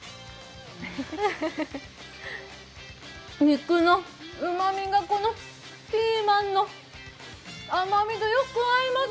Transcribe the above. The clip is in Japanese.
肉のうまみが、このピーマンの甘みとよく合います。